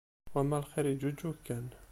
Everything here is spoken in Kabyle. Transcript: Wamma lxiq yeǧǧuǧug kan.